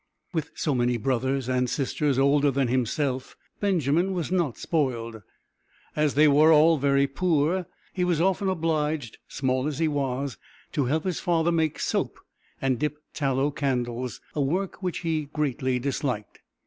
With so many brothers and sisters older than himself, Benjamin was not spoiled. As they were all very poor, he was often obliged, small as he was, to help his father make soap and dip tallow candles, a work he greatly disliked.